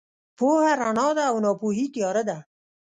پوهه رڼا ده او ناپوهي تیاره ده.